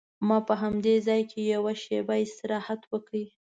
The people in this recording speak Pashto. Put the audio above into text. ما په همدې ځای کې یوه شېبه استراحت وکړ.